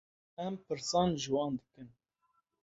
Em pirsan ji wan dikin.